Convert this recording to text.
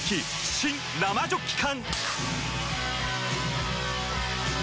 新・生ジョッキ缶！